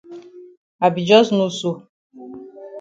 I be jus know so.